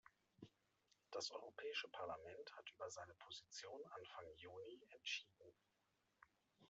Das Europäische Parlament hat über seine Position Anfang Juni entschieden.